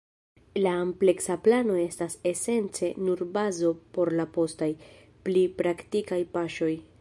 La ampleksa plano estas esence nur bazo por la postaj, pli praktikaj paŝoj.